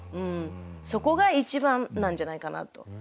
そこが一番なんじゃないかなと。